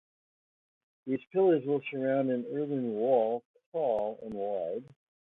These pillars will surround an earthen wall, tall and wide.